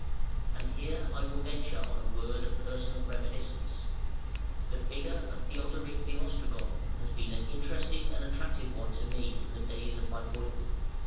And here I will venture on a word of personal reminiscence. The figure of Theodoric the Ostrogoth has been an interesting and attractive one to me from the days of my boyhood.